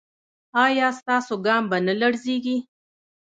ایا ستاسو ګام به نه لړزیږي؟